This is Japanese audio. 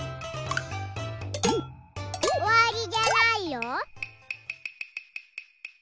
おわりじゃないよ。